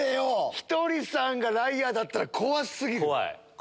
⁉ひとりさんがライアーだったら怖過ぎる。